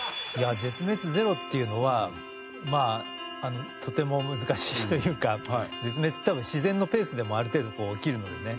絶滅ゼロっていうのはまあとても難しいというか絶滅って多分自然のペースでもうある程度起きるのでね。